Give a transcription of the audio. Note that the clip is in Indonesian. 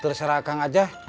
terus kira kang